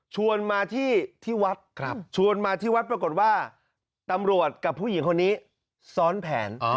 ชวนมาที่วัดชวนมาที่วัดปรากฏว่าตำรวจกับผู้หญิงคนนี้ซ้อนแผน